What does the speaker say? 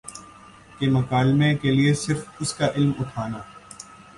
کہ مکالمے کے لیے صرف اس کا علم اٹھانا